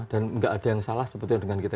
dan nggak ada yang salah seperti yang dengan kita